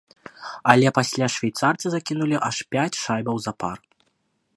Але пасля швейцарцы закінулі аж пяць шайбаў запар.